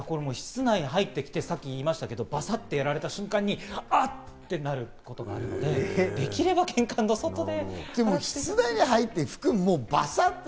室内に入ってきて、バサってやられた瞬間にあっ！ってなることがあるので、できれば玄関の外で。